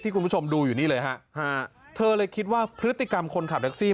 คุณผู้ชมดูอยู่นี่เลยฮะเธอเลยคิดว่าพฤติกรรมคนขับแท็กซี่